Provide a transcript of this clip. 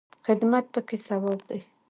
خدمت پکې ثواب دی